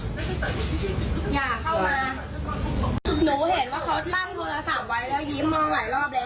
หนูเห็นว่าเค้าตั้งโทรศัพท์ไว้แล้วยิ้มมองหลายรอบแล้ว